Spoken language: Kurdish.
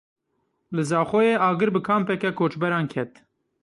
Li Zaxoyê Agir bi kampeke koçberan ket.